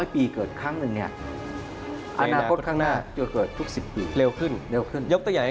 ๑๐๐ปีเกิดครั้งหนึ่งเนี่ย